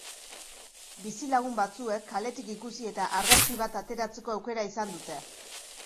Bizilagun batzuek kaletik ikusi eta argazki bat ateratzeko aukera izan dute.